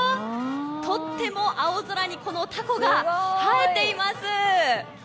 とっても青空にこの凧が映えています。